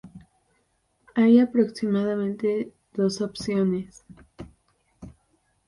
Hay aproximadamente dos opciones.